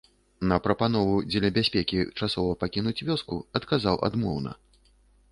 На прапанову дзеля бяспекі часова пакінуць вёску адказаў адмоўна.